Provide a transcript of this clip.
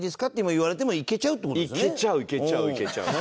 いけちゃういけちゃういけちゃう。